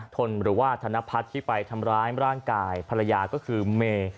ทนหรือว่าธนพัฒน์ที่ไปทำร้ายร่างกายภรรยาก็คือเมย์